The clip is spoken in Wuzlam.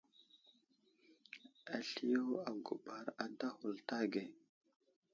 Asliyo aguɓar ada ghulta age.